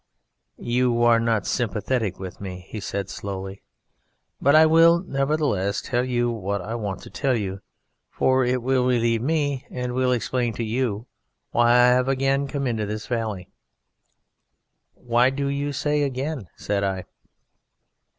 "You are not sympathetic with me," he said slowly, "but I will nevertheless tell you what I want to tell you, for it will relieve me, and it will explain to you why I have again come into this valley." "Why do you say 'again'?" said I.